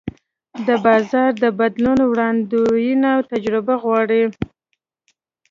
د بازار د بدلون وړاندوینه تجربه غواړي.